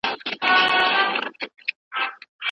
د استاد او شاګرد اړیکه باید د متقابل درناوي پر بنسټ ولاړه وي.